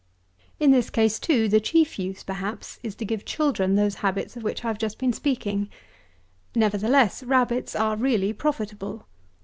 184. In this case, too, the chief use, perhaps, is to give children those habits of which I have been just speaking. Nevertheless, rabbits are really profitable.